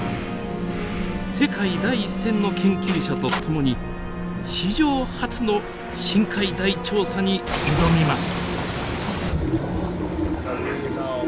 世界第一線の研究者と共に史上初の深海大調査に挑みます。